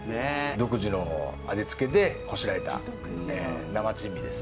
独自の味付けでこしらえた生珍味です。